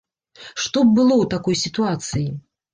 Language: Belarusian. Што б было ў такой сітуацыі?